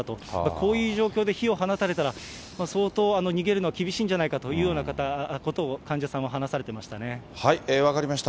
こういう状況で火を放たれたら、相当、逃げるのは厳しいんじゃないかというようなことを、患者さんは話分かりました。